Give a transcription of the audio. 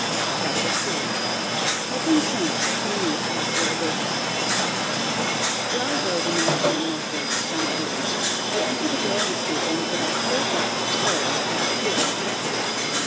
Chapter 3 Helping Plants to Need Less Irrigation Dry though the maritime Northwest summer is, we enter the growing season with our full depth of soil at field capacity.